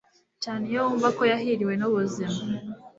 Cyane iyo yumva Ko yahiriwe n'ubuzima